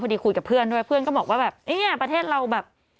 พอดีคุยกับเพื่อนด้วยเพื่อนก็บอกว่าแบบนี่ไงประเทศเราแบบ